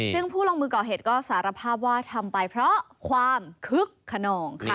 ซึ่งผู้ลงมือก่อเหตุก็สารภาพว่าทำไปเพราะความคึกขนองค่ะ